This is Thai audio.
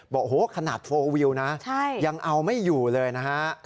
บอกโอ้โหขนาดโฟลวิวนะยังเอาไม่อยู่เลยนะฮะ